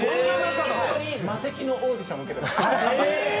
一緒にマセキのオーディション受けてました。